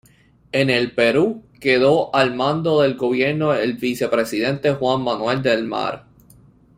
En el Perú quedó al mando del gobierno el vicepresidente Juan Manuel del Mar.